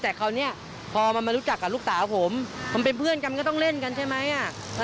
แต่คราวนี้พอมันมารู้จักกับลูกสาวผมผมเป็นเพื่อนกันมันก็ต้องเล่นกันใช่ไหม